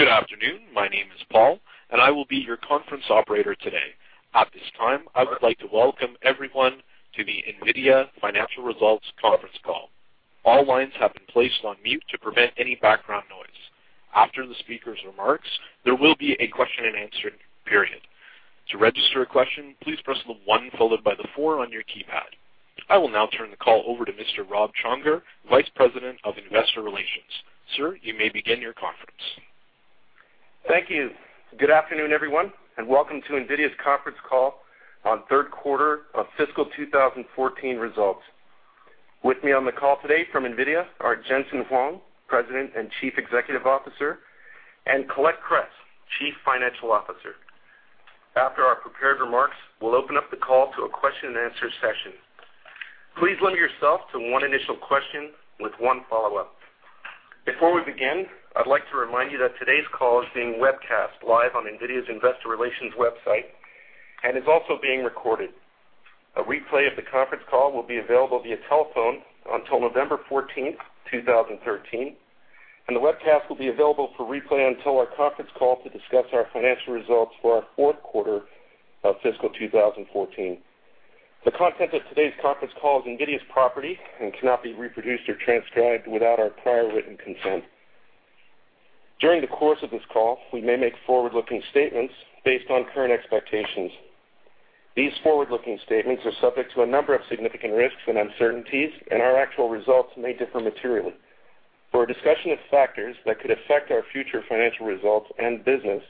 Good afternoon. My name is Paul, and I will be your conference operator today. At this time, I would like to welcome everyone to the NVIDIA Financial Results conference call. All lines have been placed on mute to prevent any background noise. After the speaker's remarks, there will be a question and answer period. To register a question, please press the one followed by the four on your keypad. I will now turn the call over to Mr. Rob Csongor, Vice President of Investor Relations. Sir, you may begin your conference. Thank you. Good afternoon, everyone, and welcome to NVIDIA's conference call on third quarter of fiscal 2014 results. With me on the call today from NVIDIA are Jensen Huang, President and Chief Executive Officer, and Colette Kress, Chief Financial Officer. After our prepared remarks, we will open up the call to a question and answer session. Please limit yourself to one initial question with one follow-up. Before we begin, I would like to remind you that today's call is being webcast live on NVIDIA's investor relations website and is also being recorded. A replay of the conference call will be available via telephone until November 14th, 2013, and the webcast will be available for replay until our conference call to discuss our financial results for our fourth quarter of fiscal 2014. The content of today's conference call is NVIDIA's property and cannot be reproduced or transcribed without our prior written consent. During the course of this call, we may make forward-looking statements based on current expectations. These forward-looking statements are subject to a number of significant risks and uncertainties, and our actual results may differ materially. For a discussion of factors that could affect our future financial results and business,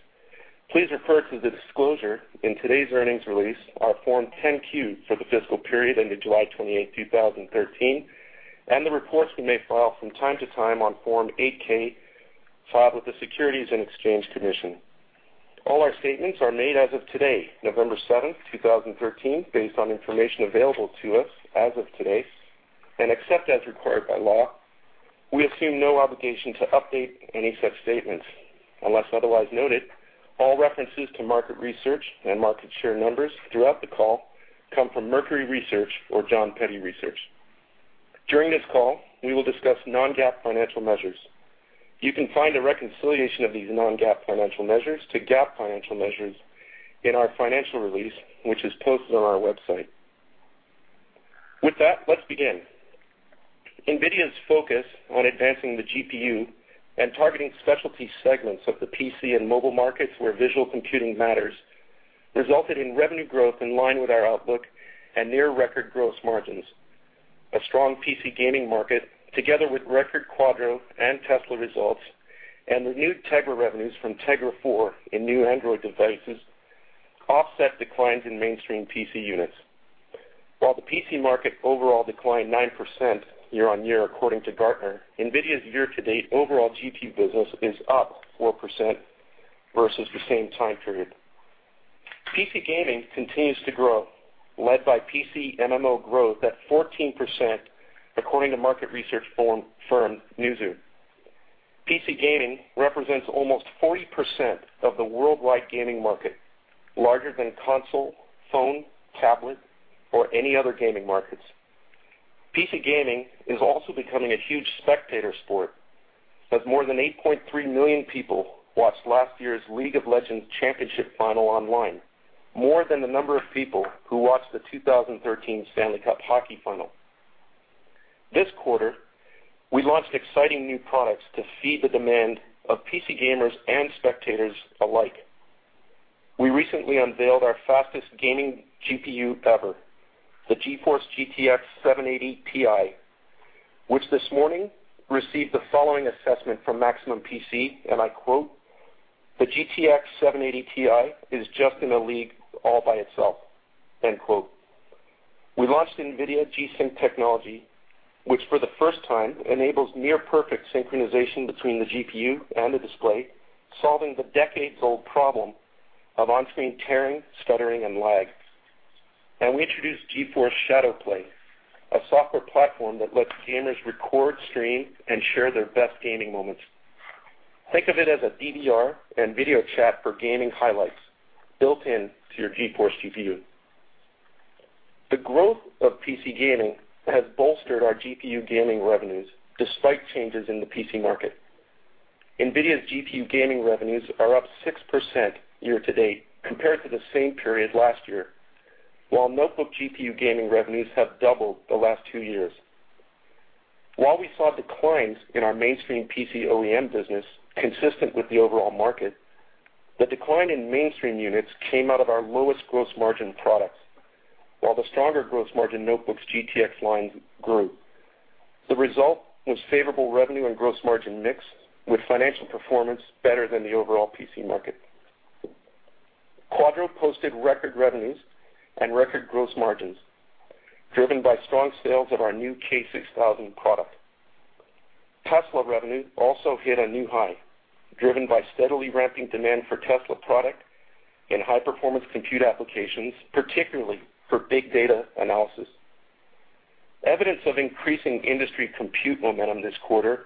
please refer to the disclosure in today's earnings release, our Form 10-Q for the fiscal period ended July 28, 2013, and the reports we may file from time to time on Form 8-K filed with the Securities and Exchange Commission. All our statements are made as of today, November 7th, 2013, based on information available to us as of today. Except as required by law, we assume no obligation to update any such statements. Unless otherwise noted, all references to market research and market share numbers throughout the call come from Mercury Research or Jon Peddie Research. During this call, we will discuss non-GAAP financial measures. You can find a reconciliation of these non-GAAP financial measures to GAAP financial measures in our financial release, which is posted on our website. With that, let us begin. NVIDIA's focus on advancing the GPU and targeting specialty segments of the PC and mobile markets where visual computing matters resulted in revenue growth in line with our outlook and near record gross margins. A strong PC gaming market, together with record Quadro and Tesla results and renewed Tegra revenues from Tegra 4 in new Android devices, offset declines in mainstream PC units. While the PC market overall declined 9% year-over-year, according to Gartner, NVIDIA's year-to-date overall GPU business is up 4% versus the same time period. PC gaming continues to grow, led by PC MMO growth at 14%, according to market research firm Newzoo. PC gaming represents almost 40% of the worldwide gaming market, larger than console, phone, tablet, or any other gaming markets. PC gaming is also becoming a huge spectator sport, as more than 8.3 million people watched last year's League of Legends Championship Final online, more than the number of people who watched the 2013 Stanley Cup hockey final. This quarter, we launched exciting new products to feed the demand of PC gamers and spectators alike. We recently unveiled our fastest gaming GPU ever, the GeForce GTX 780 Ti, which this morning received the following assessment from Maximum PC, and I quote, "The GTX 780 Ti is just in a league all by itself." We launched NVIDIA G-SYNC technology, which for the first time enables near perfect synchronization between the GPU and the display, solving the decades-old problem of on-screen tearing, stuttering, and lag. We introduced GeForce ShadowPlay, a software platform that lets gamers record, stream, and share their best gaming moments. Think of it as a DVR and video chat for gaming highlights built-in to your GeForce GPU. The growth of PC gaming has bolstered our GPU gaming revenues despite changes in the PC market. NVIDIA's GPU gaming revenues are up 6% year-to-date compared to the same period last year, while notebook GPU gaming revenues have doubled the last two years. While we saw declines in our mainstream PC OEM business consistent with the overall market, the decline in mainstream units came out of our lowest gross margin products. While the stronger gross margin notebooks GTX lines grew. The result was favorable revenue and gross margin mix with financial performance better than the overall PC market. Quadro posted record revenues and record gross margins driven by strong sales of our new K6000 product. Tesla revenue also hit a new high, driven by steadily ramping demand for Tesla product in high-performance compute applications, particularly for big data analysis. Evidence of increasing industry compute momentum this quarter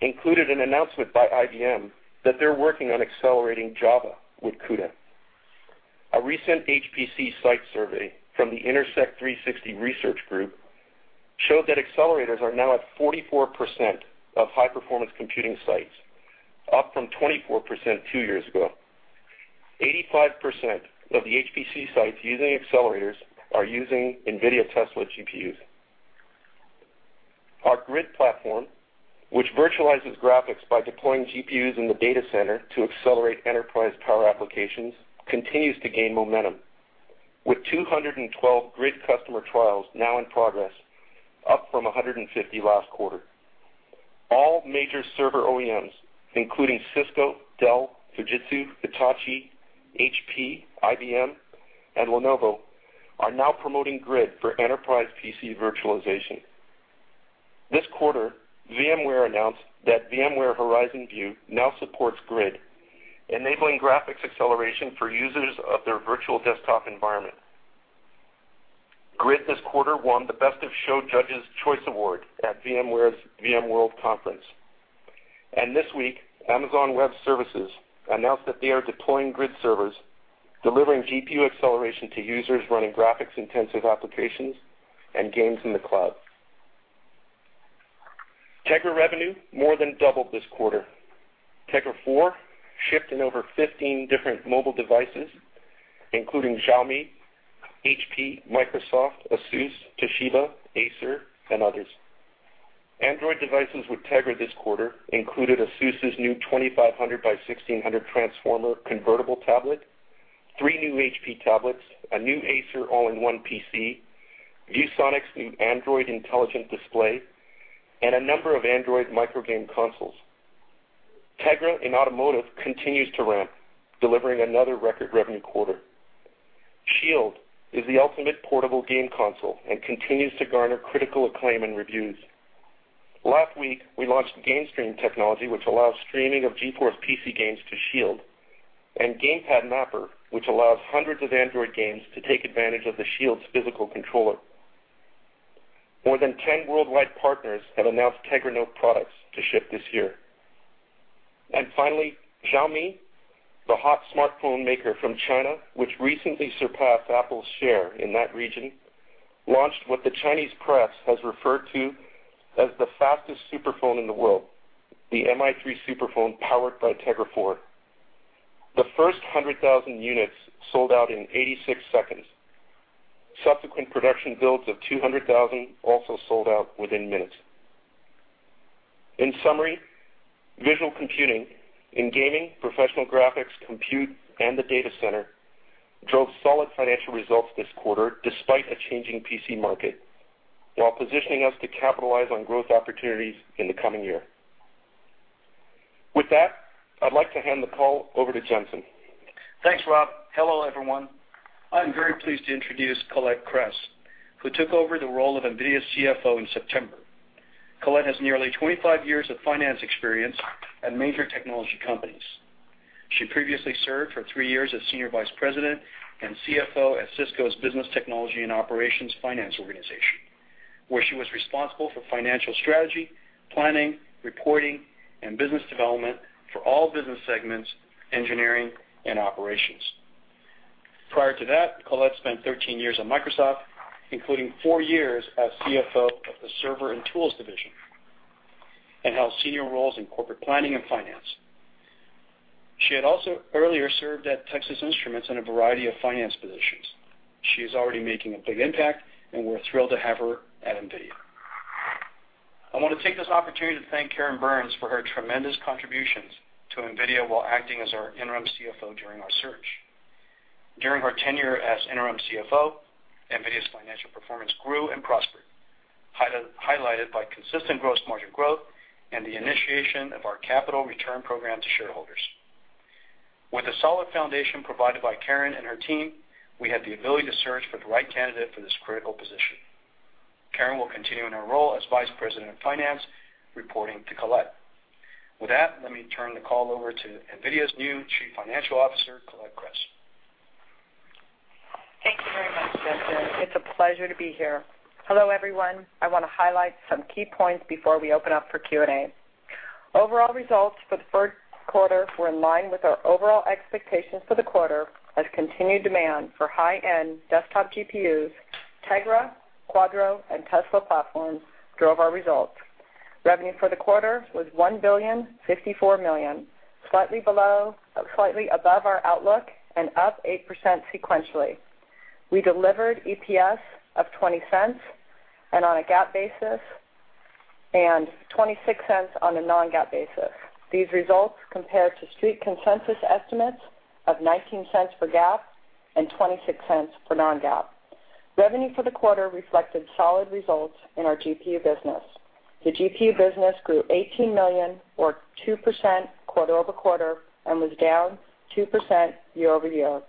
included an announcement by IBM that they're working on accelerating Java with CUDA. A recent HPC site survey from the Intersect360 Research group showed that accelerators are now at 44% of high-performance computing sites, up from 24% two years ago. 85% of the HPC sites using accelerators are using NVIDIA Tesla GPUs. Our GRID platform, which virtualizes graphics by deploying GPUs in the data center to accelerate enterprise power applications, continues to gain momentum, with 212 GRID customer trials now in progress, up from 150 last quarter. All major server OEMs, including Cisco, Dell, Fujitsu, Hitachi, HP, IBM, and Lenovo, are now promoting GRID for enterprise PC virtualization. This quarter, VMware announced that VMware Horizon View now supports GRID, enabling graphics acceleration for users of their virtual desktop environment. GRID this quarter won the Best of Show Judge's Choice Award at VMware's VMworld conference. This week, Amazon Web Services announced that they are deploying GRID servers, delivering GPU acceleration to users running graphics-intensive applications and games in the cloud. Tegra revenue more than doubled this quarter. Tegra 4 shipped in over 15 different mobile devices, including Xiaomi, HP, Microsoft, Asus, Toshiba, Acer, and others. Android devices with Tegra this quarter included Asus' new 2,500 by 1600 Transformer convertible tablet, three new HP tablets, a new Acer all-in-one PC, ViewSonic's new Android intelligent display, and a number of Android micro game consoles. Tegra in automotive continues to ramp, delivering another record revenue quarter. SHIELD is the ultimate portable game console and continues to garner critical acclaim and reviews. Last week, we launched GameStream technology, which allows streaming of GeForce PC games to SHIELD, and Gamepad Mapper, which allows hundreds of Android games to take advantage of the SHIELD's physical controller. More than 10 worldwide partners have announced Tegra Note products to ship this year. Finally, Xiaomi, the hot smartphone maker from China, which recently surpassed Apple's share in that region, launched what the Chinese press has referred to as the fastest superphone in the world, the Mi3 superphone, powered by Tegra 4. The first 100,000 units sold out in 86 seconds. Subsequent production builds of 200,000 also sold out within minutes. In summary, visual computing in gaming, professional graphics, compute, and the data center drove solid financial results this quarter despite a changing PC market, while positioning us to capitalize on growth opportunities in the coming year. With that, I'd like to hand the call over to Jensen. Thanks, Rob. Hello, everyone. I'm very pleased to introduce Colette Kress, who took over the role of NVIDIA's CFO in September. Colette has nearly 25 years of finance experience at major technology companies. She previously served for three years as senior vice president and CFO at Cisco's business technology and operations finance organization, where she was responsible for financial strategy, planning, reporting, and business development for all business segments, engineering, and operations. Prior to that, Colette spent 13 years at Microsoft, including four years as CFO of the server and tools division, and held senior roles in corporate planning and finance. She had also earlier served at Texas Instruments in a variety of finance positions. She is already making a big impact, and we're thrilled to have her at NVIDIA. I want to take this opportunity to thank Karen Burns for her tremendous contributions to NVIDIA while acting as our interim CFO during our search. During her tenure as interim CFO, NVIDIA's financial performance grew and prospered, highlighted by consistent gross margin growth and the initiation of our capital return program to shareholders. With the solid foundation provided by Karen and her team, we had the ability to search for the right candidate for this critical position. Karen will continue in her role as vice president of finance, reporting to Colette. With that, let me turn the call over to NVIDIA's new chief financial officer, Colette Kress. Thank you very much, Jensen. It's a pleasure to be here. Hello, everyone. I want to highlight some key points before we open up for Q&A. Overall results for the third quarter were in line with our overall expectations for the quarter, as continued demand for high-end desktop GPUs, Tegra, Quadro, and Tesla platforms drove our results. Revenue for the quarter was $1,054 million, slightly above our outlook, and up 8% sequentially. We delivered EPS of $0.20 and on a GAAP basis, and $0.26 on a non-GAAP basis. These results compare to street consensus estimates of $0.19 for GAAP and $0.26 for non-GAAP. Revenue for the quarter reflected solid results in our GPU business. The GPU business grew $18 million, or 2% quarter-over-quarter, and was down 2% year-over-year.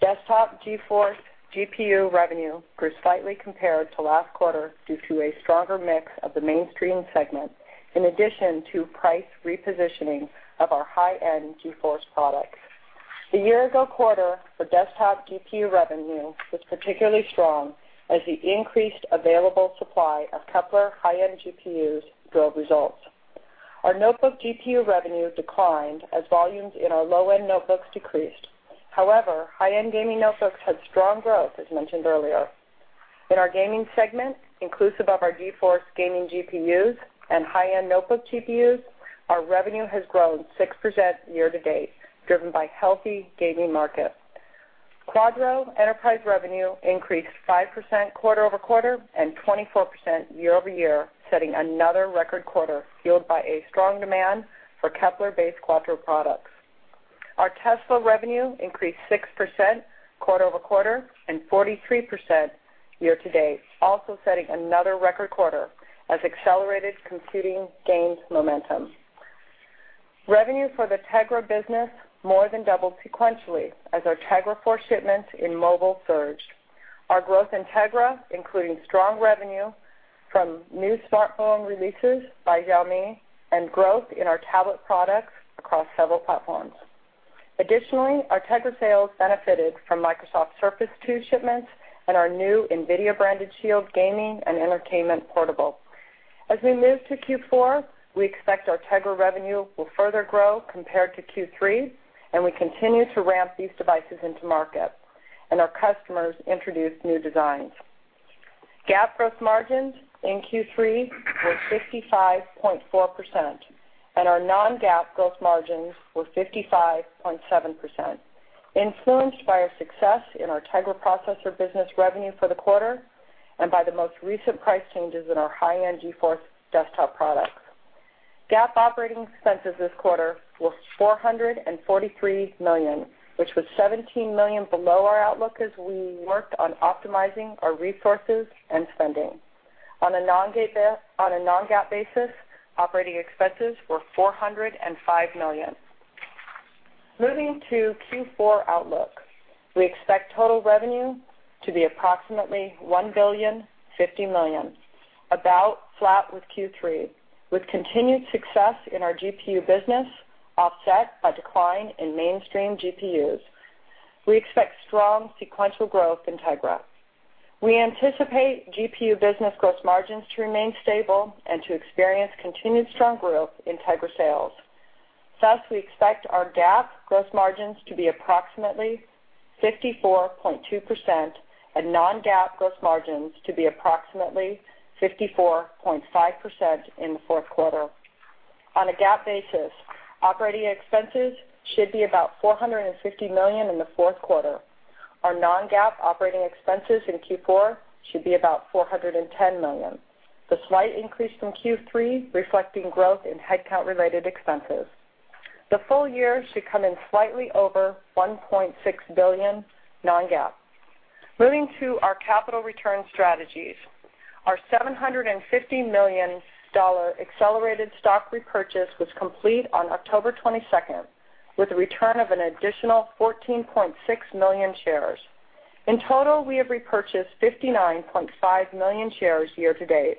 Desktop GeForce GPU revenue grew slightly compared to last quarter due to a stronger mix of the mainstream segment, in addition to price repositioning of our high-end GeForce products. The year-ago quarter for desktop GPU revenue was particularly strong as the increased available supply of Kepler high-end GPUs drove results. Our notebook GPU revenue declined as volumes in our low-end notebooks decreased. However, high-end gaming notebooks had strong growth, as mentioned earlier. In our gaming segment, inclusive of our GeForce gaming GPUs and high-end notebook GPUs, our revenue has grown 6% year to date, driven by healthy gaming markets. Quadro enterprise revenue increased 5% quarter-over-quarter and 24% year-over-year, setting another record quarter fueled by a strong demand for Kepler-based Quadro products. Our Tesla revenue increased 6% quarter-over-quarter and 43% year to date, also setting another record quarter as accelerated computing gains momentum. Revenue for the Tegra business more than doubled sequentially as our Tegra 4 shipments in mobile surged. Our growth in Tegra, including strong revenue from new smartphone releases by Xiaomi and growth in our tablet products across several platforms. Additionally, our Tegra sales benefited from Microsoft Surface 2 shipments and our new NVIDIA-branded SHIELD gaming and entertainment portable. As we move to Q4, we expect our Tegra revenue will further grow compared to Q3, and we continue to ramp these devices into market and our customers introduce new designs. GAAP gross margins in Q3 were 55.4%, and our non-GAAP gross margins were 55.7%, influenced by a success in our Tegra processor business revenue for the quarter and by the most recent price changes in our high-end GeForce desktop products. GAAP operating expenses this quarter was $443 million, which was $17 million below our outlook as we worked on optimizing our resources and spending. On a non-GAAP basis, operating expenses were $405 million. Moving to Q4 outlook, we expect total revenue to be approximately $1 billion, $50 million, about flat with Q3, with continued success in our GPU business offset by decline in mainstream GPUs. We expect strong sequential growth in Tegra. We anticipate GPU business gross margins to remain stable and to experience continued strong growth in Tegra sales. Thus, we expect our GAAP gross margins to be approximately 54.2% and non-GAAP gross margins to be approximately 54.5% in the fourth quarter. On a GAAP basis, operating expenses should be about $450 million in the fourth quarter. Our non-GAAP operating expenses in Q4 should be about $410 million, the slight increase from Q3 reflecting growth in headcount-related expenses. The full year should come in slightly over $1.6 billion non-GAAP. Moving to our capital return strategies. Our $750 million accelerated stock repurchase was complete on October 22nd, with a return of an additional 14.6 million shares. In total, we have repurchased 59.5 million shares year to date.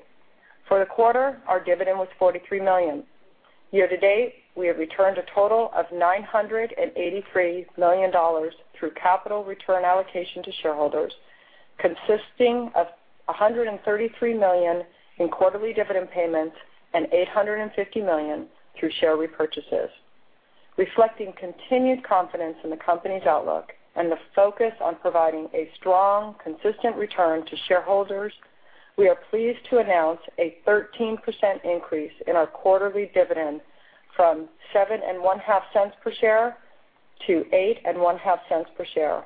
For the quarter, our dividend was $43 million. Year to date, we have returned a total of $983 million through capital return allocation to shareholders, consisting of $133 million in quarterly dividend payments and $850 million through share repurchases. Reflecting continued confidence in the company's outlook and the focus on providing a strong, consistent return to shareholders, we are pleased to announce a 13% increase in our quarterly dividend from $0.075 per share to $0.085 per share.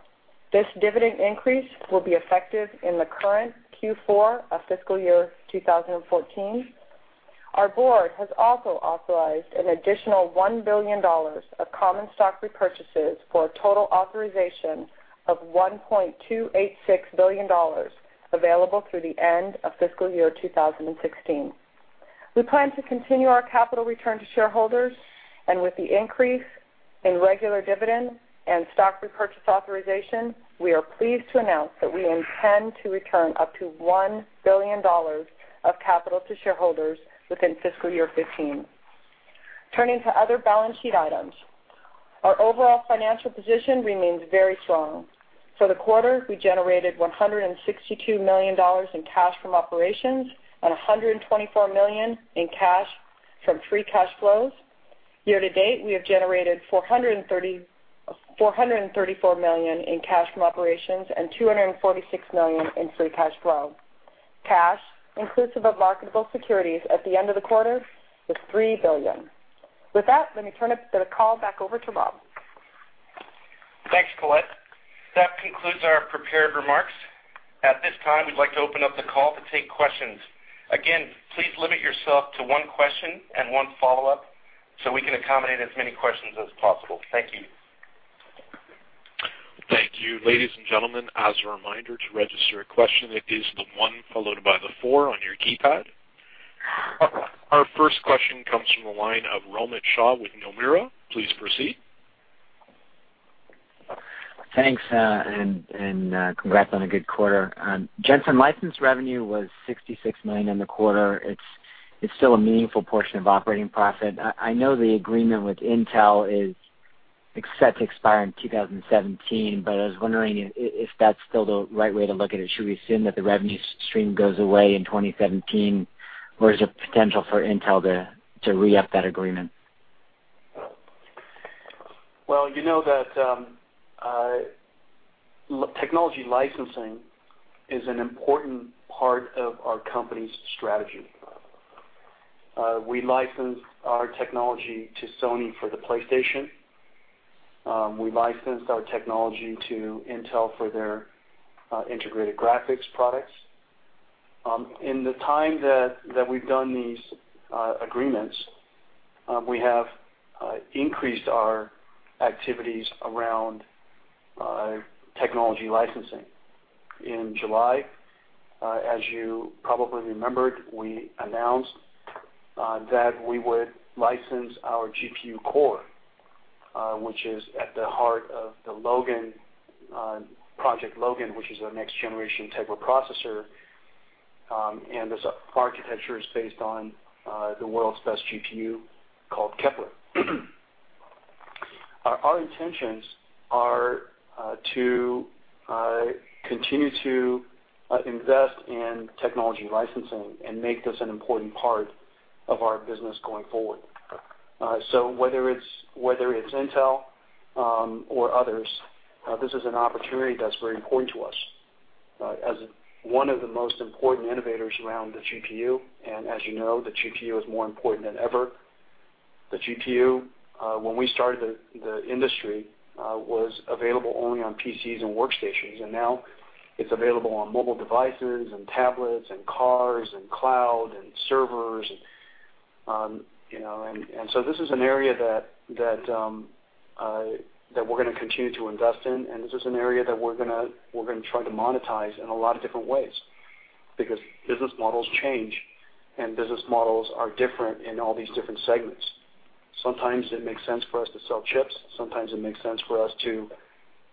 This dividend increase will be effective in the current Q4 of fiscal year 2014. Our board has also authorized an additional $1 billion of common stock repurchases for a total authorization of $1.286 billion available through the end of fiscal year 2016. We plan to continue our capital return to shareholders, and with the increase in regular dividend and stock repurchase authorization, we are pleased to announce that we intend to return up to $1 billion of capital to shareholders within fiscal year 2015. Turning to other balance sheet items. Our overall financial position remains very strong. For the quarter, we generated $162 million in cash from operations and $124 million in cash from free cash flows. Year to date, we have generated $434 million in cash from operations and $246 million in free cash flow. Cash inclusive of marketable securities at the end of the quarter was $3 billion. With that, let me turn the call back over to Rob. Thanks, Colette. That concludes our prepared remarks. At this time, we'd like to open up the call to take questions. Again, please limit yourself to one question and one follow-up so we can accommodate as many questions as possible. Thank you. Thank you. Ladies and gentlemen, as a reminder to register a question, it is the one followed by the four on your keypad. Our first question comes from the line of Romit Shah with Nomura. Please proceed. Thanks. Congrats on a good quarter. Jensen license revenue was $66 million in the quarter. It's still a meaningful portion of operating profit. I know the agreement with Intel is set to expire in 2017. I was wondering if that's still the right way to look at it. Should we assume that the revenue stream goes away in 2017, or is there potential for Intel to re-up that agreement? Well, you know that technology licensing is an important part of our company's strategy. We licensed our technology to Sony for the PlayStation. We licensed our technology to Intel for their integrated graphics products. In the time that we've done these agreements, we have increased our activities around technology licensing. In July, as you probably remembered, we announced that we would license our GPU core, which is at the heart of Project Logan, which is our next generation type of processor, and this architecture is based on the world's best GPU called Kepler. Our intentions are to continue to invest in technology licensing and make this an important part of our business going forward. Whether it's Intel or others, this is an opportunity that's very important to us as one of the most important innovators around the GPU, and as you know, the GPU is more important than ever. The GPU, when we started the industry, was available only on PCs and workstations, and now it's available on mobile devices and tablets and cars and cloud and servers. This is an area that we're going to continue to invest in, and this is an area that we're going to try to monetize in a lot of different ways because business models change and business models are different in all these different segments. Sometimes it makes sense for us to sell chips, sometimes it makes sense for us to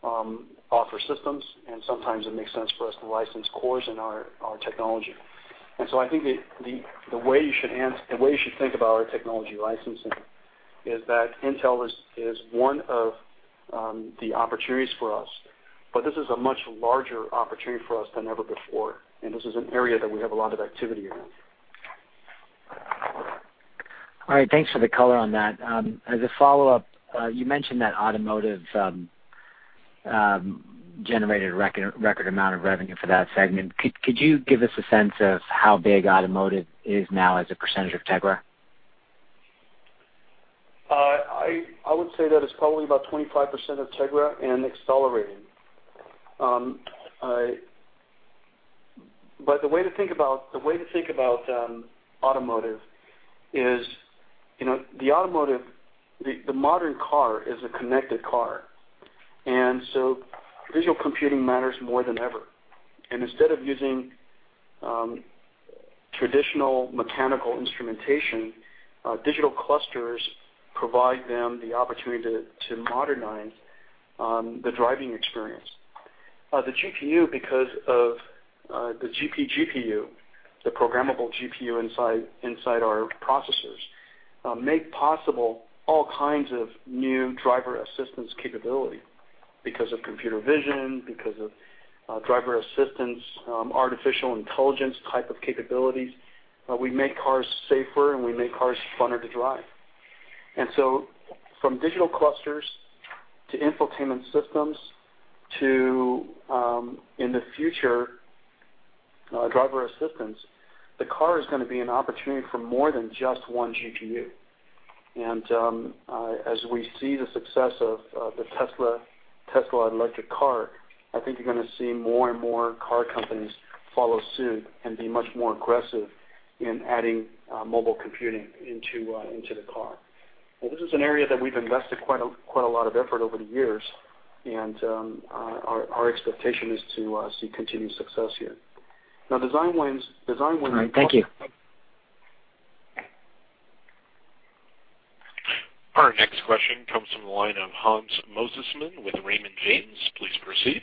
offer systems, and sometimes it makes sense for us to license cores in our technology. I think the way you should think about our technology licensing is that Intel is one of the opportunities for us, but this is a much larger opportunity for us than ever before, and this is an area that we have a lot of activity in. All right. Thanks for the color on that. As a follow-up, you mentioned that automotive generated a record amount of revenue for that segment. Could you give us a sense of how big automotive is now as a percentage of Tegra? I would say that it's probably about 25% of Tegra and accelerating. The way to think about automotive is the modern car is a connected car, visual computing matters more than ever. Instead of using traditional mechanical instrumentation, digital clusters provide them the opportunity to modernize the driving experience. The GPU, because of the GPGPU, the programmable GPU inside our processors, make possible all kinds of new driver assistance capability because of computer vision, because of driver assistance, artificial intelligence type of capabilities. We make cars safer, and we make cars funner to drive. From digital clusters to infotainment systems to, in the future, driver assistance, the car is going to be an opportunity for more than just one GPU. As we see the success of the Tesla electric car, I think you're going to see more and more car companies follow suit and be much more aggressive in adding mobile computing into the car. This is an area that we've invested quite a lot of effort over the years, and our expectation is to see continued success here. Now design wins- All right, thank you. Our next question comes from the line of Hans Mosesmann with Raymond James. Please proceed.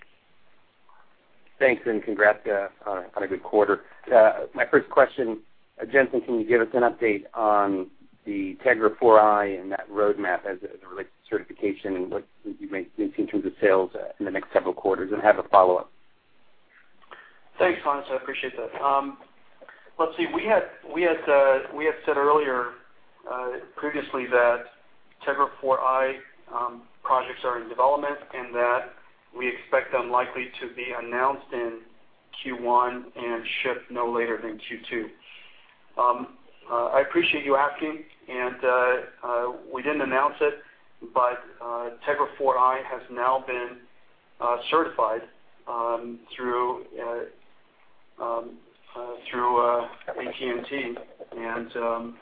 Thanks, and congrats on a good quarter. My first question, Jensen, can you give us an update on the Tegra 4i and that roadmap as it relates to certification and what you may see in terms of sales in the next several quarters, and have a follow-up. Thanks, Hans. I appreciate that. Let's see. We had said earlier previously that Tegra 4i projects are in development, and that we expect them likely to be announced in Q1 and shipped no later than Q2. I appreciate you asking, and we didn't announce it, but Tegra 4i has now been certified through AT&T, and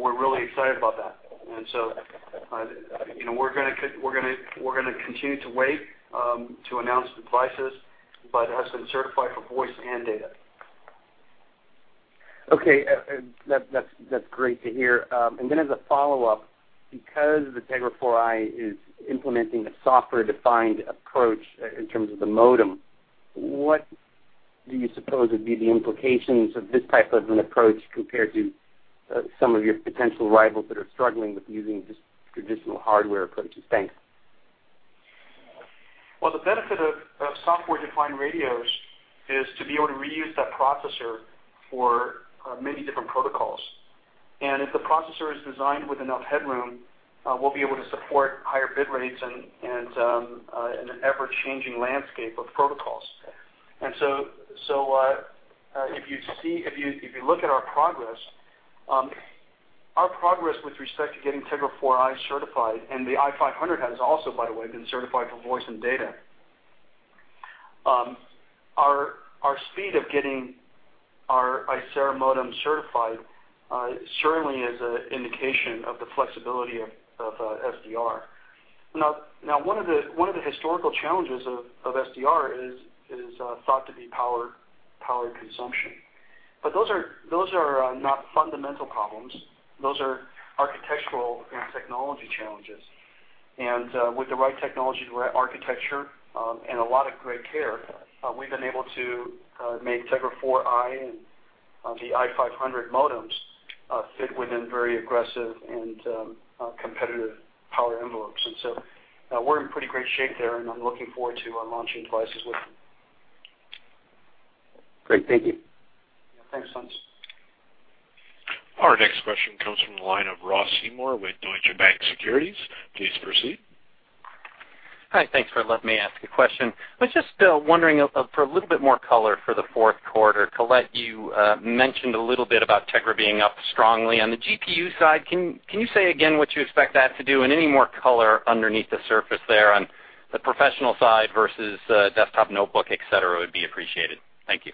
we're really excited about that. We're going to continue to wait to announce the prices, but it has been certified for voice and data. Okay. That's great to hear. As a follow-up, because the Tegra 4i is implementing a software-defined approach in terms of the modem, what do you suppose would be the implications of this type of an approach compared to some of your potential rivals that are struggling with using just traditional hardware approaches? Thanks. Well, the benefit of software-defined radios is to be able to reuse that processor for many different protocols. If the processor is designed with enough headroom, we'll be able to support higher bit rates in an ever-changing landscape of protocols. If you look at our progress with respect to getting Tegra 4i certified, and the i500 has also, by the way, been certified for voice and data. Our speed of getting our Icera modem certified certainly is an indication of the flexibility of SDR. Now, one of the historical challenges of SDR is thought to be power consumption, but those are not fundamental problems. Those are architectural and technology challenges. With the right technology, the right architecture, and a lot of great care, we've been able to make Tegra 4i and the i500 modems fit within very aggressive and competitive power envelopes. We're in pretty great shape there, and I'm looking forward to launching devices with them. Great. Thank you. Yeah. Thanks, Hans. Our next question comes from the line of Ross Seymore with Deutsche Bank Securities. Please proceed. Hi. Thanks for letting me ask a question. I was just wondering for a little bit more color for the fourth quarter. Colette, you mentioned a little bit about Tegra being up strongly on the GPU side. Can you say again what you expect that to do and any more color underneath the surface there on the professional side versus desktop, notebook, et cetera, would be appreciated. Thank you.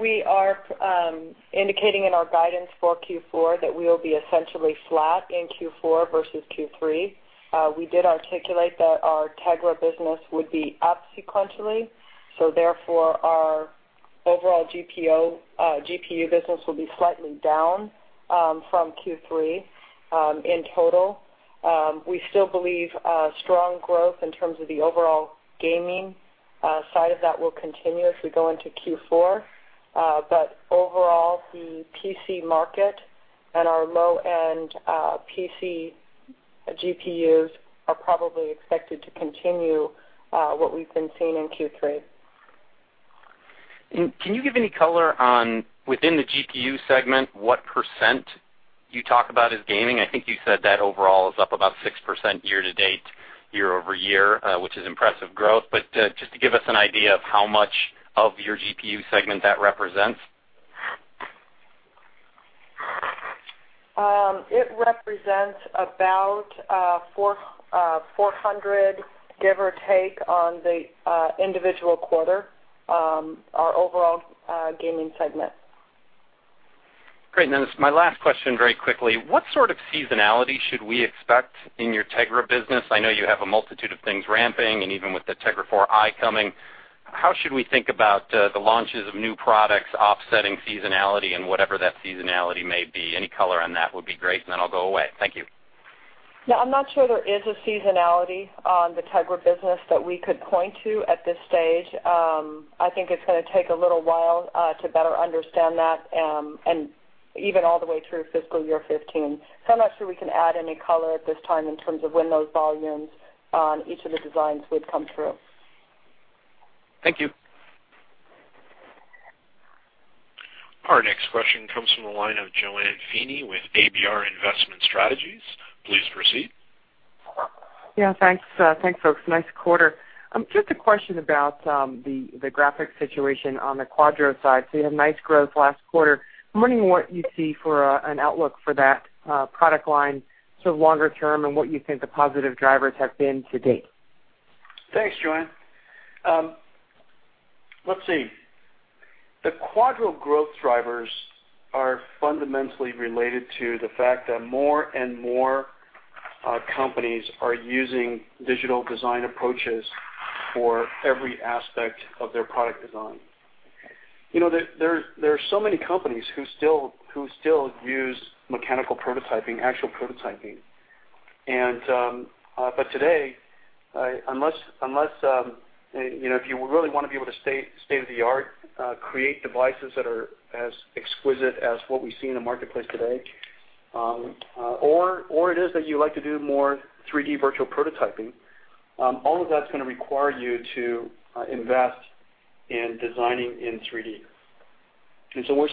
We are indicating in our guidance for Q4 that we will be essentially flat in Q4 versus Q3. We did articulate that our Tegra business would be up sequentially, so therefore our overall GPU business will be slightly down from Q3 in total. We still believe strong growth in terms of the overall gaming side of that will continue as we go into Q4. Overall, the PC market and our low-end PC GPUs are probably expected to continue what we've been seeing in Q3. Can you give any color on within the GPU segment, what % you talk about is gaming? I think you said that overall is up about 6% year-to-date, year-over-year, which is impressive growth. Just to give us an idea of how much of your GPU segment that represents. It represents about $400, give or take, on the individual quarter, our overall gaming segment. Great. My last question very quickly, what sort of seasonality should we expect in your Tegra business? I know you have a multitude of things ramping, and even with the Tegra 4i coming, how should we think about the launches of new products offsetting seasonality and whatever that seasonality may be? Any color on that would be great, and then I'll go away. Thank you. No, I'm not sure there is a seasonality on the Tegra business that we could point to at this stage. I think it's going to take a little while to better understand that, and even all the way through fiscal year 2015. I'm not sure we can add any color at this time in terms of when those volumes on each of the designs would come through. Thank you. Our next question comes from the line of JoAnne Feeney with ABR Investment Strategy. Please proceed. Yeah, thanks. Thanks, folks. Nice quarter. Just a question about the graphics situation on the Quadro side. You had nice growth last quarter. I'm wondering what you see for an outlook for that product line sort of longer term and what you think the positive drivers have been to date. Thanks, JoAnne. Let's see. The Quadro growth drivers are fundamentally related to the fact that more and more companies are using digital design approaches for every aspect of their product design. There are so many companies who still use mechanical prototyping, actual prototyping. Today, if you really want to be able to state-of-the-art create devices that are as exquisite as what we see in the marketplace today, or it is that you like to do more 3D virtual prototyping, all of that's going to require you to invest in designing in 3D.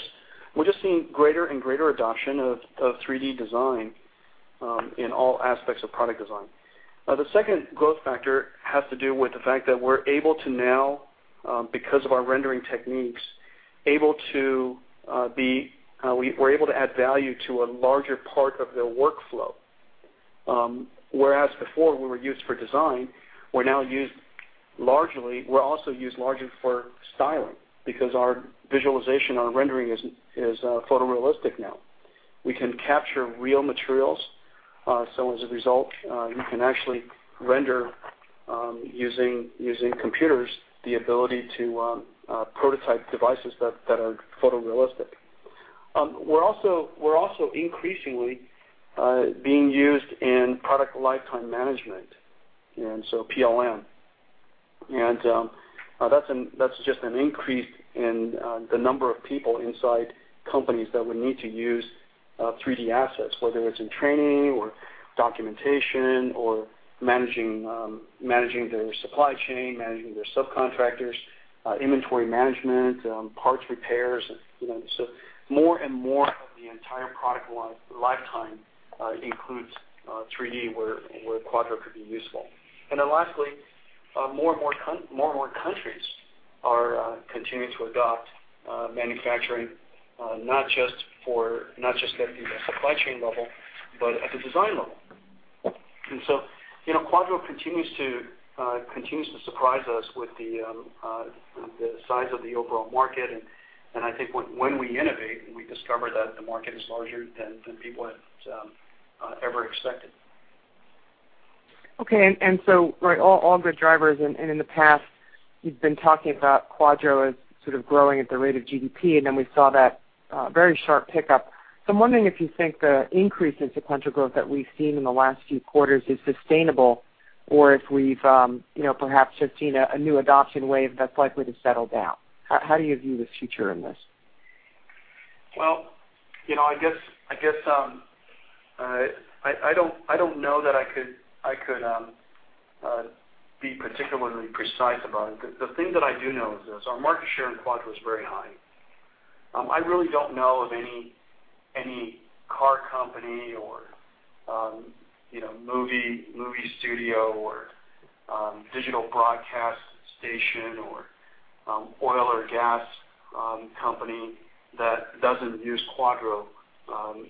We're just seeing greater and greater adoption of 3D design in all aspects of product design. The second growth factor has to do with the fact that we're able to now, because of our rendering techniques, able to add value to a larger part of their workflow. Whereas before we were used for design, we're also used largely for styling because our visualization, our rendering is photorealistic now. We can capture real materials, so as a result, you can actually render using computers the ability to prototype devices that are photorealistic. We're also increasingly being used in product lifetime management, so PLM. That's just an increase in the number of people inside companies that would need to use 3D assets, whether it's in training or documentation or managing their supply chain, managing their subcontractors, inventory management, parts repairs. More and more of the entire product lifetime includes 3D, where Quadro could be useful. Lastly, more and more countries are continuing to adopt manufacturing, not just at the supply chain level, but at the design level. Quadro continues to surprise us with the size of the overall market, and I think when we innovate and we discover that the market is larger than people have ever expected. Okay. All good drivers. In the past, you've been talking about Quadro as sort of growing at the rate of GDP, and then we saw that very sharp pickup. I'm wondering if you think the increase in sequential growth that we've seen in the last few quarters is sustainable, or if we've perhaps just seen a new adoption wave that's likely to settle down. How do you view the future in this? Well, I guess I don't know that I could be particularly precise about it. The thing that I do know is this, our market share in Quadro is very high. I really don't know of any car company or movie studio or digital broadcast station or oil or gas company that doesn't use Quadro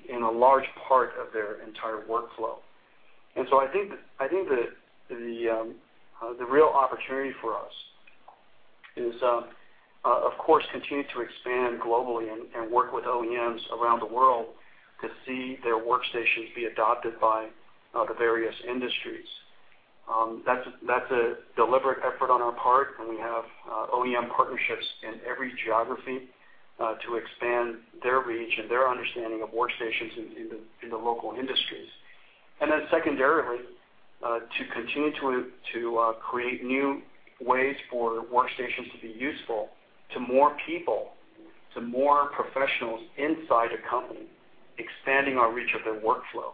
in a large part of their entire workflow. I think the real opportunity for us is, of course, continue to expand globally and work with OEMs around the world to see their workstations be adopted by the various industries. That's a deliberate effort on our part, and we have OEM partnerships in every geography to expand their reach and their understanding of workstations in the local industries. Secondarily, to continue to create new ways for workstations to be useful to more people, to more professionals inside a company, expanding our reach of their workflow.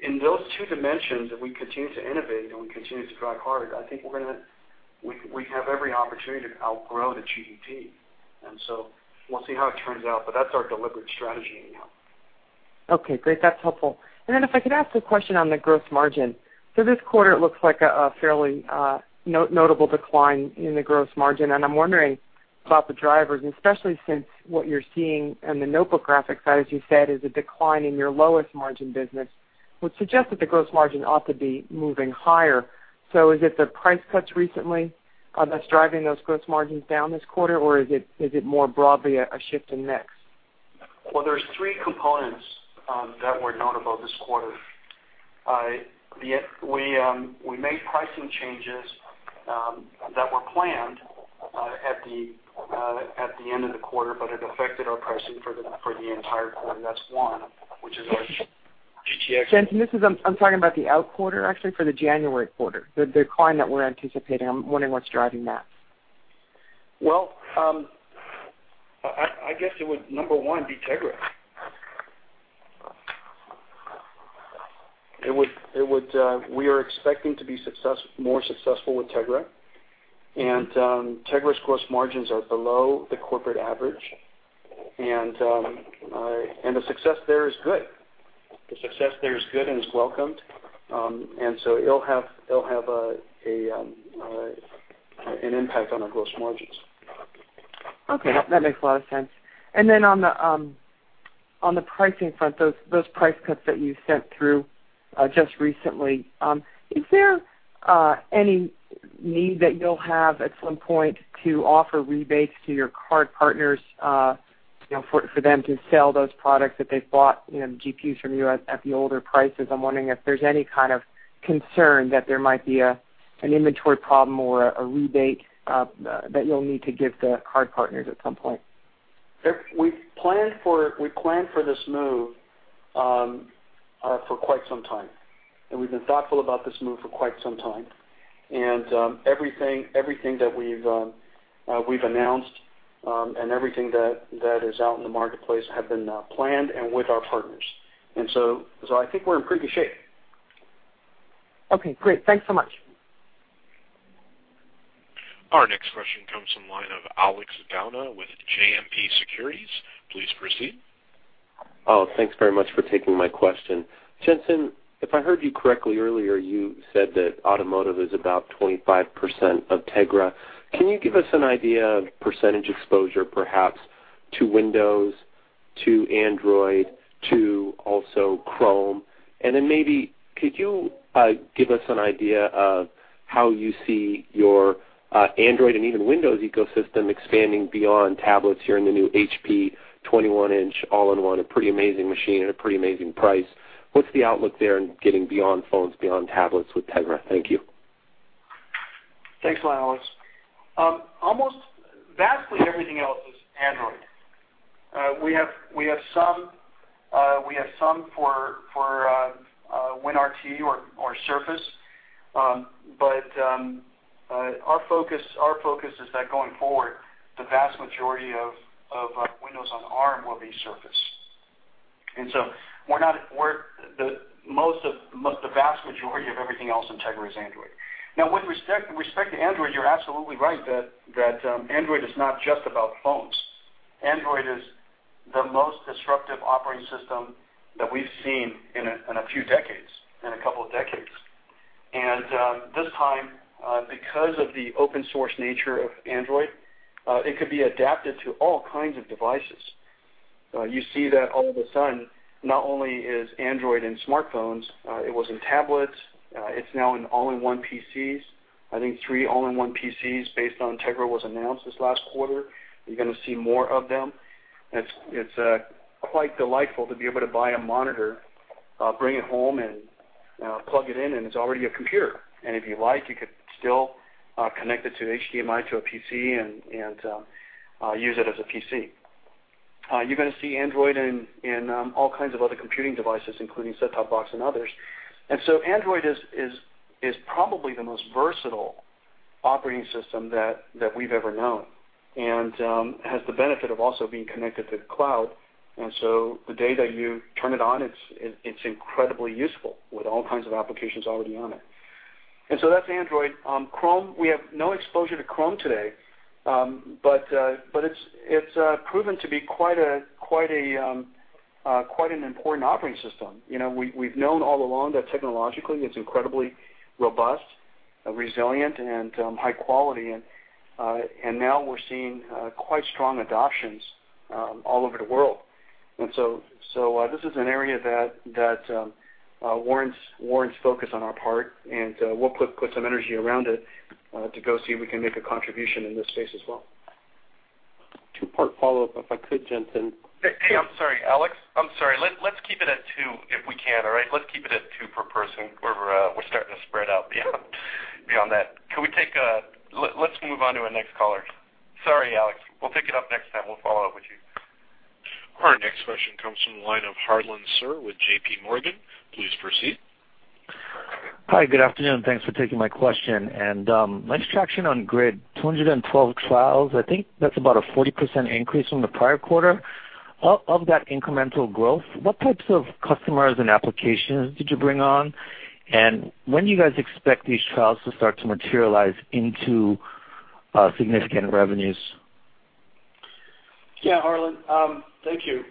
In those two dimensions that we continue to innovate and we continue to drive hard, I think we have every opportunity to outgrow the GDP. We'll see how it turns out, but that's our deliberate strategy anyhow. Okay, great. That's helpful. If I could ask a question on the gross margin. This quarter, it looks like a fairly notable decline in the gross margin, and I'm wondering about the drivers, and especially since what you're seeing in the notebook graphic side, as you said, is a decline in your lowest margin business, would suggest that the gross margin ought to be moving higher. Is it the price cuts recently that's driving those gross margins down this quarter, or is it more broadly a shift in mix? Well, there's 3 components that were notable this quarter. We made pricing changes that were planned at the end of the quarter, but it affected our pricing for the entire quarter. That's one, which is our GTX- Jensen, I'm talking about the out quarter, actually, for the January quarter, the decline that we're anticipating. I'm wondering what's driving that. Well, I guess it would, number 1, be Tegra. We are expecting to be more successful with Tegra, and Tegra's gross margins are below the corporate average. The success there is good. The success there is good and is welcomed. It'll have an impact on our gross margins. Okay. That makes a lot of sense. On the pricing front, those price cuts that you sent through just recently, is there any need that you'll have at some point to offer rebates to your card partners for them to sell those products that they've bought, GPUs from you at the older prices? I'm wondering if there's any kind of concern that there might be an inventory problem or a rebate that you'll need to give the card partners at some point. We planned for this move for quite some time, we've been thoughtful about this move for quite some time. Everything that we've announced and everything that is out in the marketplace have been planned and with our partners. I think we're in pretty good shape. Okay, great. Thanks so much. Our next question comes from the line of Alex Gauna with JMP Securities. Please proceed. Oh, thanks very much for taking my question. Jensen, if I heard you correctly earlier, you said that automotive is about 25% of Tegra. Can you give us an idea of percentage exposure, perhaps to Windows, to Android, to also Chrome? Maybe could you give us an idea of how you see your Android and even Windows ecosystem expanding beyond tablets here in the new HP 21-inch all-in-one, a pretty amazing machine at a pretty amazing price. What's the outlook there in getting beyond phones, beyond tablets with Tegra? Thank you. Thanks a lot, Alex. Vastly everything else is Android. We have some for Windows RT or Surface, but our focus is that going forward, the vast majority of Windows on Arm will be Surface. The vast majority of everything else in Tegra is Android. With respect to Android, you're absolutely right that Android is not just about phones. Android is the most disruptive operating system that we've seen in a couple of decades. This time, because of the open source nature of Android, it could be adapted to all kinds of devices. You see that all of a sudden, not only is Android in smartphones, it was in tablets, it's now in all-in-one PCs. I think three all-in-one PCs based on Tegra was announced this last quarter. You're going to see more of them, it's quite delightful to be able to buy a monitor, bring it home, plug it in, and it's already a computer. If you like, you could still connect it to HDMI to a PC and use it as a PC. You're going to see Android in all kinds of other computing devices, including set-top box and others. Android is probably the most versatile operating system that we've ever known and has the benefit of also being connected to the cloud. The day that you turn it on, it's incredibly useful with all kinds of applications already on it. That's Android. Chrome, we have no exposure to Chrome today. It's proven to be quite an important operating system. We've known all along that technologically it's incredibly robust, resilient, and high quality, and now we're seeing quite strong adoptions all over the world. This is an area that warrants focus on our part, and we'll put some energy around it to go see if we can make a contribution in this space as well. Two-part follow-up, if I could, Jensen. Hey, I'm sorry, Alex. I'm sorry. Let's keep it at two if we can, all right? Let's keep it at two per person. We're starting to spread out beyond that. Let's move on to our next caller. Sorry, Alex. We'll pick it up next time. We'll follow up with you. Our next question comes from the line of Harlan Sur with JPMorgan. Please proceed. Hi, good afternoon. Thanks for taking my question. Nice traction on GRID, 212 trials, I think that's about a 40% increase from the prior quarter. Of that incremental growth, what types of customers and applications did you bring on? When do you guys expect these trials to start to materialize into significant revenues? Yeah, Harlan. Thank you.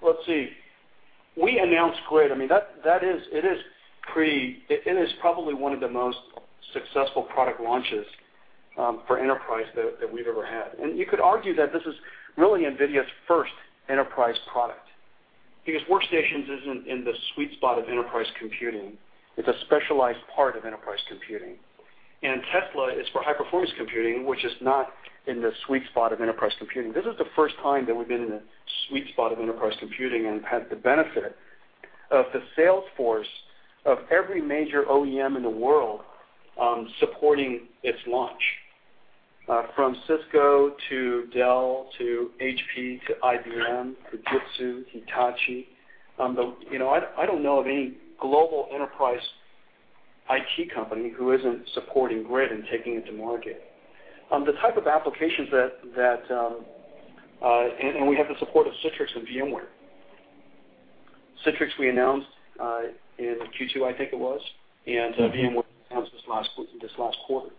Let's see. We announced GRID. It is probably one of the most successful product launches for enterprise that we've ever had. You could argue that this is really NVIDIA's first enterprise product because workstations isn't in the sweet spot of enterprise computing. It's a specialized part of enterprise computing. Tesla is for high-performance computing, which is not in the sweet spot of enterprise computing. This is the first time that we've been in the sweet spot of enterprise computing and had the benefit of the sales force of every major OEM in the world supporting its launch from Cisco to Dell, to HP, to IBM, to Fujitsu, Hitachi. I don't know of any global enterprise IT company who isn't supporting GRID and taking it to market. We have the support of Citrix and VMware. Citrix, we announced in Q2, I think it was, and VMware was announced this last quarter.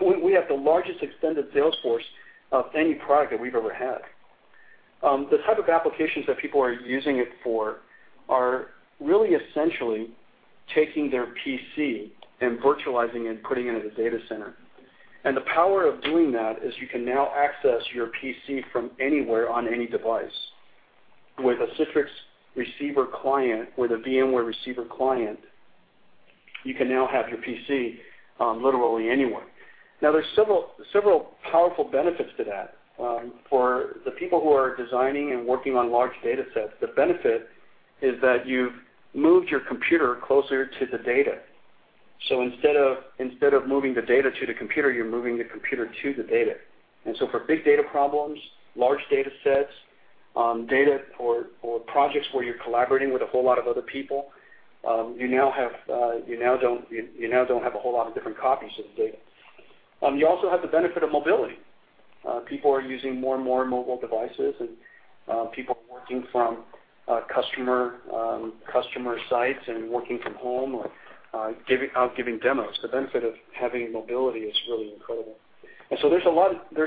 We have the largest extended sales force of any product that we've ever had. The type of applications that people are using it for are really essentially taking their PC and virtualizing and putting it in a data center. The power of doing that is you can now access your PC from anywhere on any device. With a Citrix receiver client or the VMware receiver client, you can now have your PC literally anywhere. There's several powerful benefits to that. For the people who are designing and working on large data sets, the benefit is that you've moved your computer closer to the data. Instead of moving the data to the computer, you're moving the computer to the data. For big data problems, large data sets, data for projects where you're collaborating with a whole lot of other people, you now don't have a whole lot of different copies of the data. You also have the benefit of mobility. People are using more and more mobile devices, and people are working from customer sites and working from home or out giving demos. The benefit of having mobility is really incredible. There's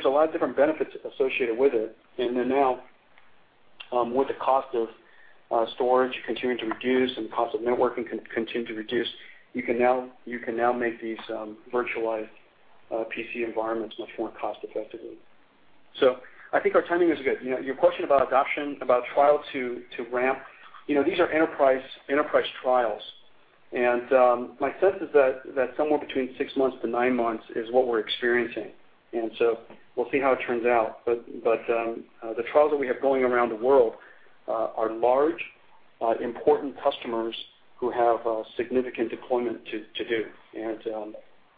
a lot of different benefits associated with it. Now, with the cost of storage continuing to reduce and cost of networking continuing to reduce, you can now make these virtualized PC environments much more cost-effectively. I think our timing is good. Your question about adoption, about trial to ramp, these are enterprise trials, and my sense is that somewhere between 6 months to 9 months is what we're experiencing. We'll see how it turns out. The trials that we have going around the world are large, important customers who have a significant deployment to do.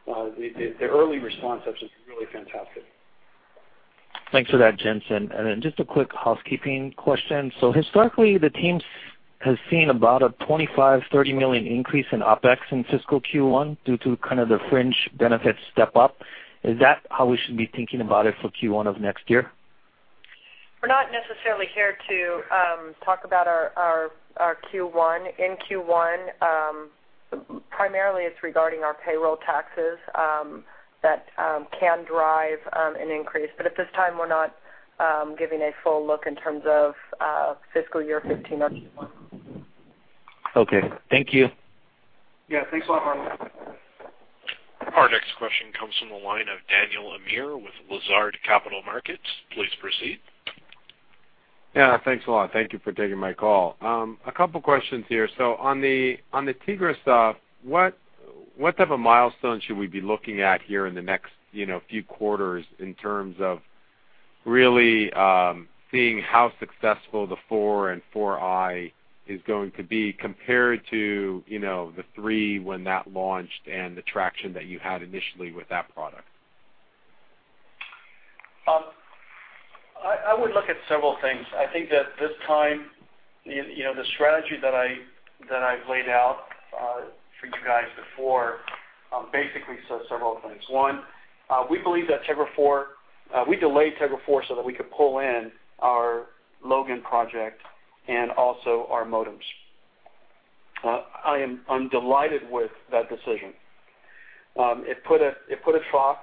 The early response has been really fantastic. Thanks for that, Jensen. Just a quick housekeeping question. Historically, the team has seen about a $25 million-$30 million increase in OpEx in fiscal Q1 due to kind of the fringe benefits step up. Is that how we should be thinking about it for Q1 of next year? We're not necessarily here to talk about our Q1. In Q1, primarily it's regarding our payroll taxes that can drive an increase. At this time, we're not giving a full look in terms of fiscal year 2015 on Q1. Okay. Thank you. Yeah. Thanks a lot, Harlan. Our next question comes from the line of Daniel Amir with Lazard Capital Markets. Please proceed. Yeah, thanks a lot. Thank you for taking my call. A couple questions here. On the Tegra stuff, what type of milestone should we be looking at here in the next few quarters in terms of really seeing how successful the Four and Four I is going to be compared to the Three when that launched and the traction that you had initially with that product? I would look at several things. I think that this time, the strategy that I've laid out for you guys before basically says several things. One. We believe that we delayed Tegra 4 so that we could pull in our Project Logan and also our modems. I'm delighted with that decision. It put a trough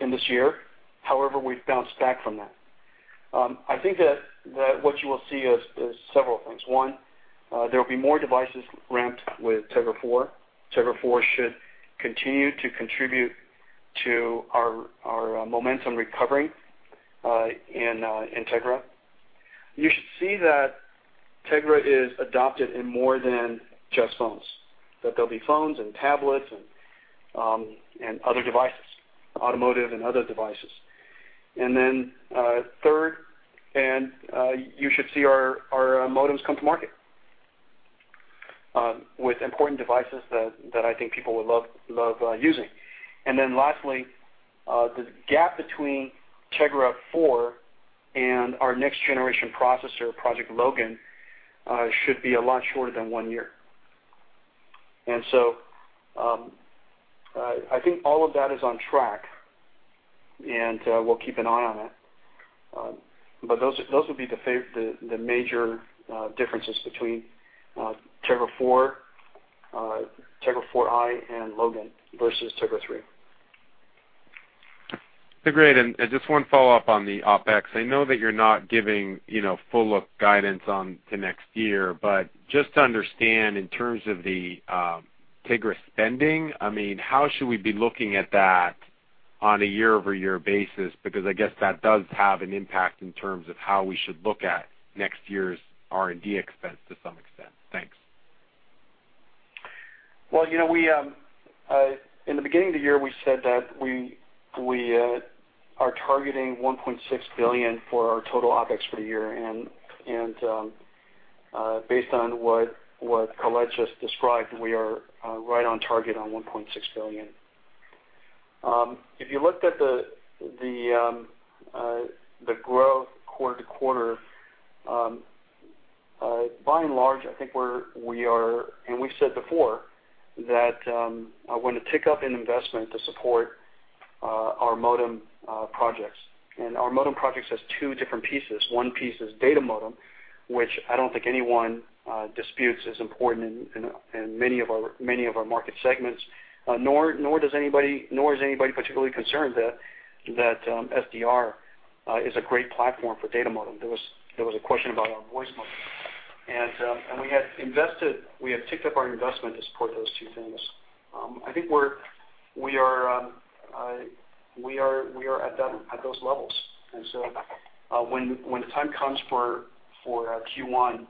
in this year, however, we've bounced back from that. I think that what you will see is several things. One, there will be more devices ramped with Tegra 4. Tegra 4 should continue to contribute to our momentum recovery in Tegra. You should see that Tegra is adopted in more than just phones, that there'll be phones and tablets and other devices, automotive and other devices. Third, you should see our modems come to market with important devices that I think people would love using. Lastly, the gap between Tegra 4 and our next generation processor, Project Logan, should be a lot shorter than one year. I think all of that is on track, and we'll keep an eye on it. Those would be the major differences between Tegra 4, Tegra 4i, and Logan versus Tegra 3. Great. Just one follow-up on the OpEx. I know that you're not giving full look guidance on to next year, but just to understand in terms of the Tegra spending, how should we be looking at that on a year-over-year basis? Because I guess that does have an impact in terms of how we should look at next year's R&D expense to some extent. Thanks. Well, in the beginning of the year, we said that we are targeting $1.6 billion for our total OpEx for the year, and based on what Colette just described, we are right on target on $1.6 billion. If you looked at the growth quarter-to-quarter, by and large, I think we are, and we said before, that when the tick-up in investment to support our modem projects, and our modem projects has two different pieces. One piece is data modem, which I don't think anyone disputes is important in many of our market segments, nor is anybody particularly concerned that SDR is a great platform for data modem. There was a question about our voice modem. We have ticked up our investment to support those two things. I think we are at those levels. When the time comes for our Q1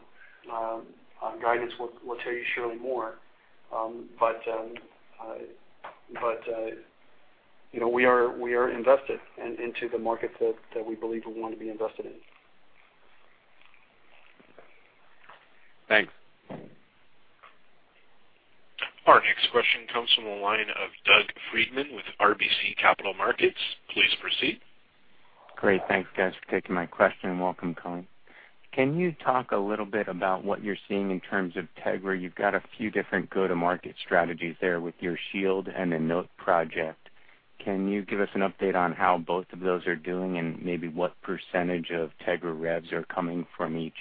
guidance, we'll tell you surely more, but we are invested into the markets that we believe we want to be invested in. Thanks. Our next question comes from the line of Doug Freedman with RBC Capital Markets. Please proceed. Great. Thanks, guys, for taking my question, and welcome, Colette. Can you talk a little bit about what you're seeing in terms of Tegra? You've got a few different go-to-market strategies there with your SHIELD and the Tegra Note. Can you give us an update on how both of those are doing and maybe what percentage of Tegra revs are coming from each?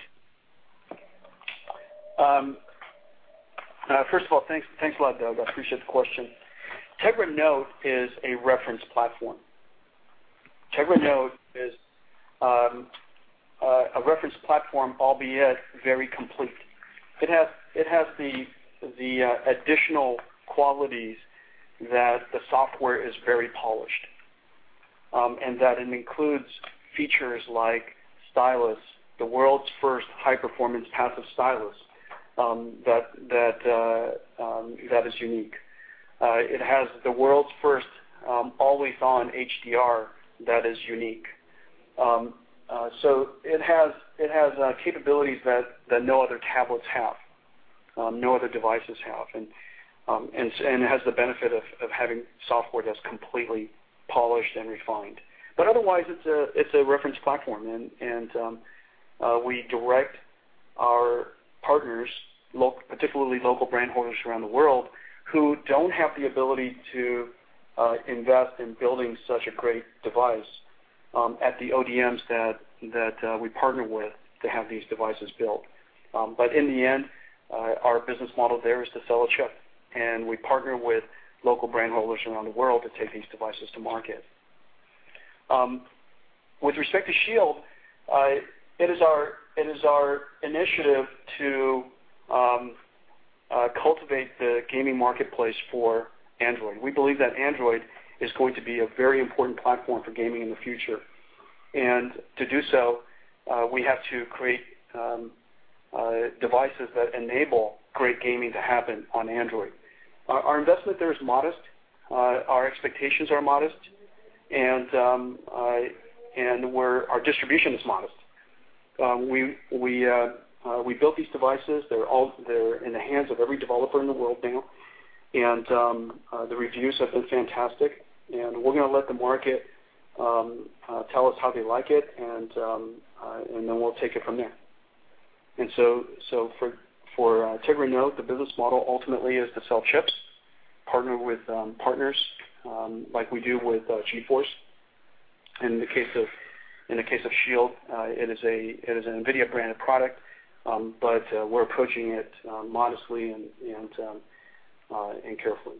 Thanks a lot, Doug. I appreciate the question. Tegra Note is a reference platform. Tegra Note is a reference platform, albeit very complete. It has the additional qualities that the software is very polished, and that it includes features like stylus, the world's first high-performance passive stylus. That is unique. It has the world's first always-on HDR that is unique. It has capabilities that no other tablets have, no other devices have. It has the benefit of having software that's completely polished and refined. Otherwise, it's a reference platform, and we direct our partners, particularly local brand holders around the world, who don't have the ability to invest in building such a great device at the ODMs that we partner with to have these devices built. In the end, our business model there is to sell a chip, and we partner with local brand holders around the world to take these devices to market. With respect to SHIELD, it is our initiative to cultivate the gaming marketplace for Android. We believe that Android is going to be a very important platform for gaming in the future. To do so, we have to create devices that enable great gaming to happen on Android. Our investment there is modest, our expectations are modest, and our distribution is modest. We built these devices. They're in the hands of every developer in the world now, and the reviews have been fantastic. We're going to let the market tell us how they like it, and then we'll take it from there. For Tegra Note, the business model ultimately is to sell chips, partner with partners like we do with GeForce. In the case of Shield, it is an NVIDIA branded product, but we're approaching it modestly and carefully.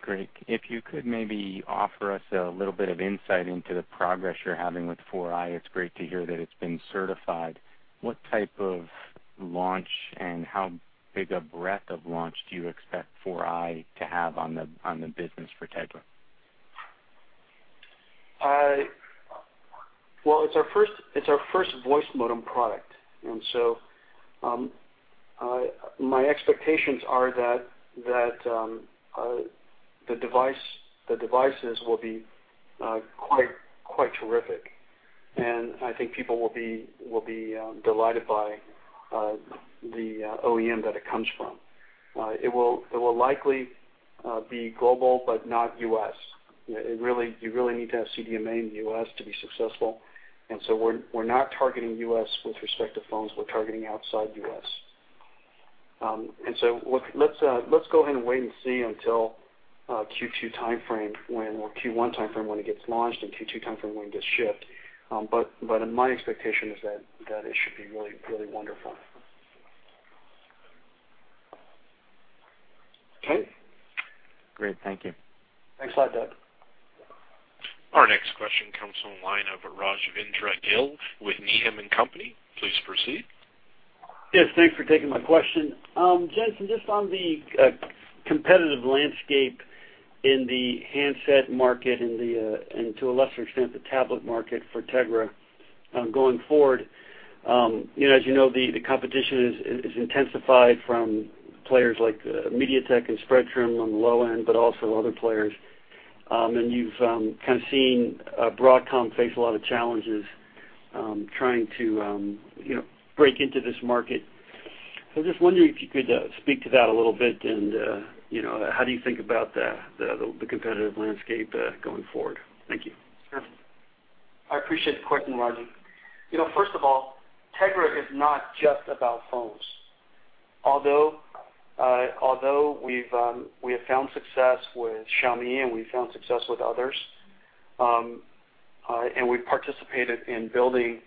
Great. If you could maybe offer us a little bit of insight into the progress you're having with 4i. It's great to hear that it's been certified. What type of launch and how big a breadth of launch do you expect 4i to have on the business for Tegra? It's our first voice modem product, my expectations are that the devices will be quite terrific, and I think people will be delighted by the OEM that it comes from. It will likely be global, but not U.S. You really need to have CDMA in the U.S. to be successful, we're not targeting U.S. with respect to phones. We're targeting outside U.S. Let's go ahead and wait and see until Q2 timeframe or Q1 timeframe when it gets launched and Q2 timeframe when it gets shipped. My expectation is that it should be really wonderful. Okay. Great. Thank you. Thanks a lot, Doug. Our next question comes from the line of Rajvindra Gill with Needham & Company. Please proceed. Yes, thanks for taking my question. Jensen, just on the competitive landscape in the handset market and to a lesser extent, the tablet market for Tegra going forward, as you know, the competition is intensified from players like MediaTek and Spreadtrum on the low end, but also other players. You've seen Broadcom face a lot of challenges trying to break into this market. I was just wondering if you could speak to that a little bit and how do you think about the competitive landscape going forward? Thank you. Sure. I appreciate the question, Raj. First of all, Tegra is not just about phones. Although we have found success with Xiaomi, and we've found success with others, and we've participated in building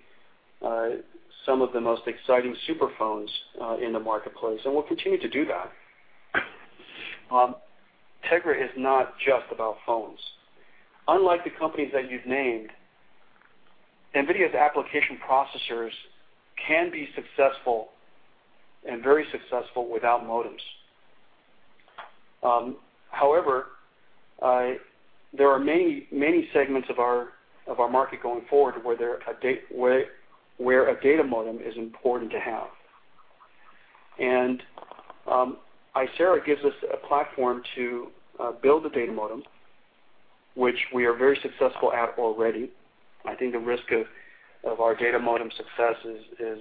some of the most exciting super phones in the marketplace, and we'll continue to do that. Tegra is not just about phones. Unlike the companies that you've named, NVIDIA's application processors can be successful and very successful without modems. However, there are many segments of our market going forward where a data modem is important to have. Icera gives us a platform to build a data modem, which we are very successful at already. I think the risk of our data modem success is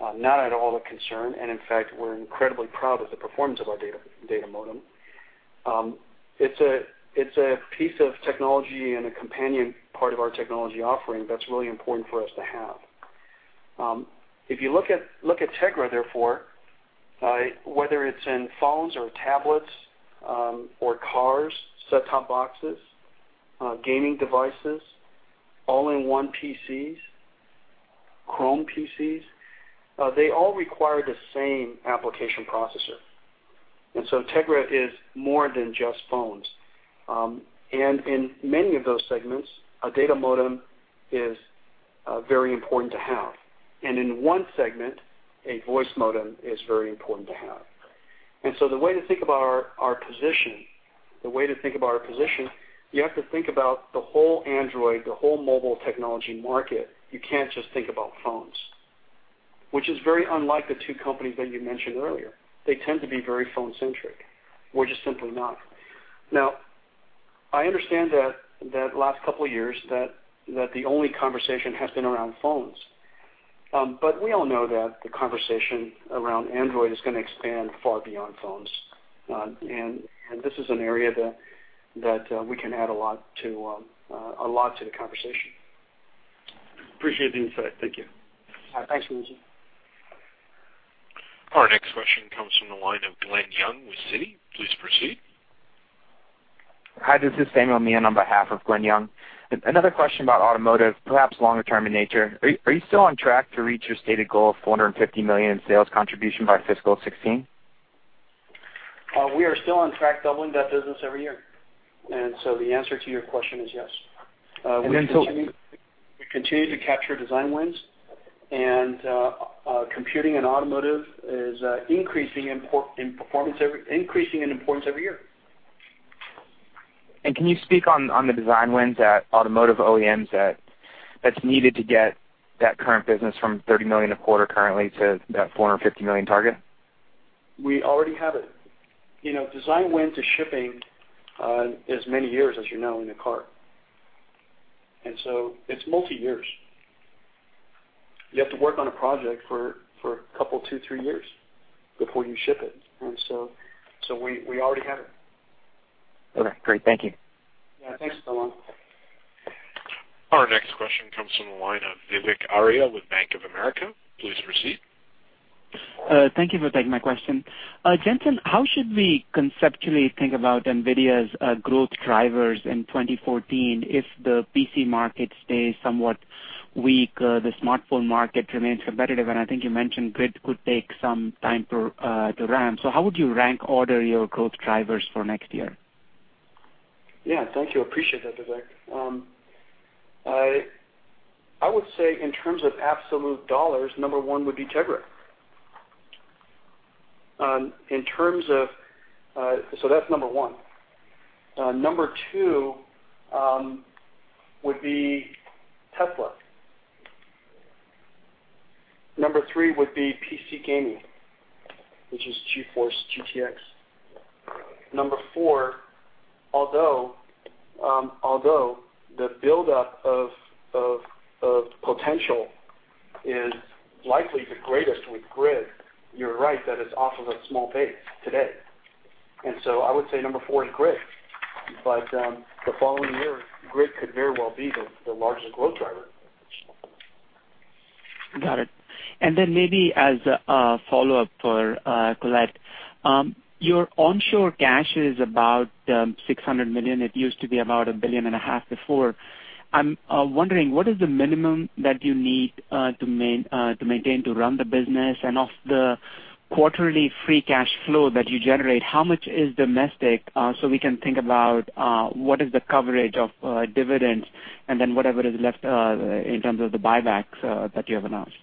not at all a concern, and in fact, we're incredibly proud of the performance of our data modem. It's a piece of technology and a companion part of our technology offering that's really important for us to have. If you look at Tegra, therefore, whether it's in phones or tablets or cars, set-top boxes, gaming devices, all-in-one PCs, Chrome PCs, they all require the same application processor. Tegra is more than just phones. In many of those segments, a data modem is very important to have. In one segment, a voice modem is very important to have. The way to think about our position, you have to think about the whole Android, the whole mobile technology market. You can't just think about phones, which is very unlike the two companies that you mentioned earlier. They tend to be very phone-centric. We're just simply not. Now, I understand that last couple of years that the only conversation has been around phones. We all know that the conversation around Android is going to expand far beyond phones. This is an area that we can add a lot to the conversation. Appreciate the insight. Thank you. Thanks, Raj. Our next question comes from the line of Glen Yeung with Citi. Please proceed. Hi, this is Samuel Mian on behalf of Glen Yeung. Another question about automotive, perhaps longer term in nature. Are you still on track to reach your stated goal of $450 million in sales contribution by fiscal 2016? We are still on track doubling that business every year. The answer to your question is yes. And then so- We continue to capture design wins and computing and automotive is increasing in importance every year. Can you speak on the design wins at automotive OEMs that's needed to get that current business from $30 million a quarter currently to that $450 million target? We already have it. Design win to shipping is many years, as you know, in a car. So it's multi years. You have to work on a project for a couple, two, three years before you ship it. So we already have it. Okay, great. Thank you. Yeah. Thanks, Samuel. Our next question comes from the line of Vivek Arya with Bank of America. Please proceed. Thank you for taking my question. Jensen, how should we conceptually think about NVIDIA's growth drivers in 2014 if the PC market stays somewhat weak, the smartphone market remains competitive, and I think you mentioned GRID could take some time to ramp. How would you rank order your growth drivers for next year? Yeah. Thank you. Appreciate that, Vivek. I would say in terms of absolute dollars, number 1 would be Tegra. That's number 1. Number 2 would be Tesla. Number 3 would be PC gaming, which is GeForce GTX. Number 4, although the buildup of potential is likely the greatest with GRID, you're right that it's off of a small base today. I would say number 4 is GRID, the following year, GRID could very well be the largest growth driver. Got it. Maybe as a follow-up for Colette, your onshore cash is about $600 million. It used to be about $1.5 billion before. I'm wondering, what is the minimum that you need to maintain to run the business? Of the quarterly free cash flow that you generate, how much is domestic? We can think about what is the coverage of dividends and then whatever is left in terms of the buybacks that you have announced.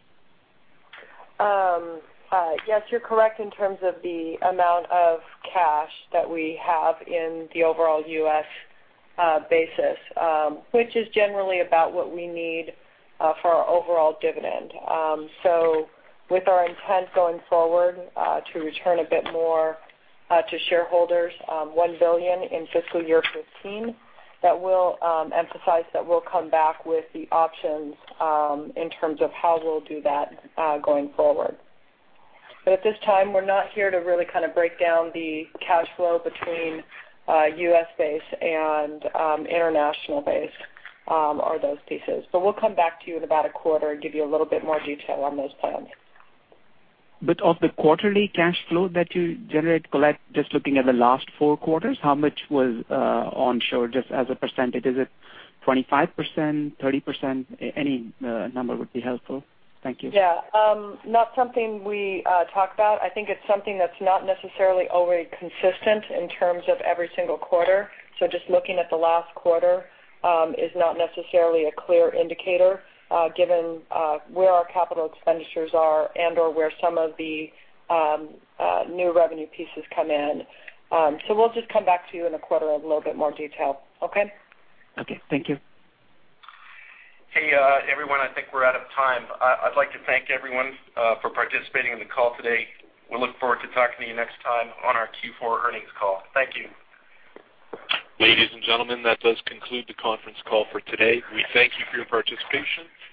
Yes, you're correct in terms of the amount of cash that we have in the overall U.S. basis, which is generally about what we need for our overall dividend. With our intent going forward to return a bit more to shareholders, $1 billion in fiscal year 2015, that will emphasize that we'll come back with the options in terms of how we'll do that going forward. At this time, we're not here to really break down the cash flow between U.S.-based and international based or those pieces. We'll come back to you in about a quarter and give you a little bit more detail on those plans. Of the quarterly cash flow that you generate, Colette, just looking at the last four quarters, how much was onshore just as a percentage? Is it 25%, 30%? Any number would be helpful. Thank you. Yeah. Not something we talk about. I think it's something that's not necessarily always consistent in terms of every single quarter. Just looking at the last quarter is not necessarily a clear indicator given where our capital expenditures are and/or where some of the new revenue pieces come in. We'll just come back to you in a quarter with a little bit more detail. Okay? Okay. Thank you. Hey, everyone. I think we're out of time. I'd like to thank everyone for participating in the call today. We look forward to talking to you next time on our Q4 earnings call. Thank you. Ladies and gentlemen, that does conclude the conference call for today. We thank you for your participation.